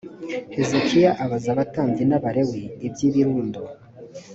hezekiya abaza abatambyi n abalewi iby ibirundo